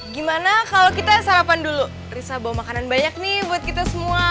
gimana kalau kita sarapan dulu risa bawa makanan banyak nih buat kita semua